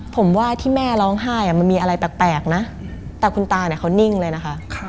ผมว่าที่แม่ร้องไห้มันมีอะไรแปลกนะแต่คุณตาเนี่ยเขานิ่งเลยนะคะ